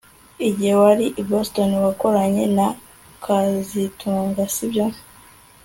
Igihe wari i Boston wakoranye na kazitunga sibyo